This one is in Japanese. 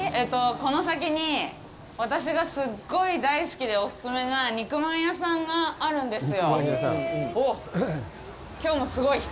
この先に、私がすっごい大好きでお勧めな肉まん屋さんがあるんですよ。